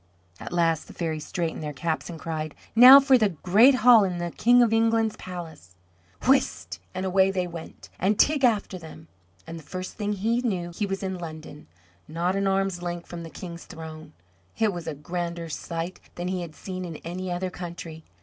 At last the fairies straightened their caps and cried, "Now for the great hall in the King of England's palace!" Whist and away they went, and Teig after them; and the first thing he knew he was in London, not an arm's length from the King's throne. It was a grander sight than he had seen in any other country.